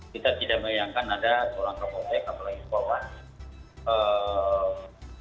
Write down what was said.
kita tidak merayakan ada keolah keolah keopek apalagi polisi